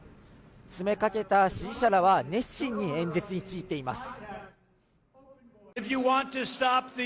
詰めかけた支持者らは、熱心に演説に聞き入っています。